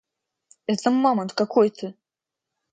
Это мамонт какой-то.